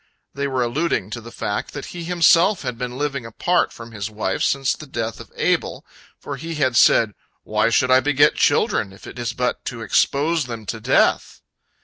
They were alluding to the fact that he himself had been living apart from his wife since the death of Abel, for he had said, "Why should I beget children, if it is but to expose them to death?"